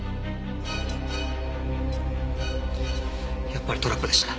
やっぱりトラップでした。